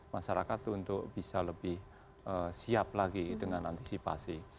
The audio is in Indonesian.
masyarakat untuk bisa lebih siap lagi dengan antisipasi